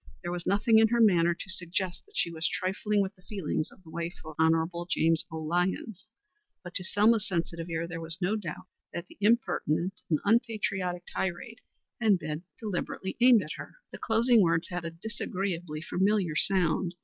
There was nothing in her manner to suggest that she was trifling with the feelings of the wife of Hon. James O. Lyons, but to Selma's sensitive ear there was no doubt that the impertinent and unpatriotic tirade had been deliberately aimed at her. The closing words had a disagreeably familiar sound.